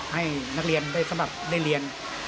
ให้นักเรียนได้สำหรับได้เรียน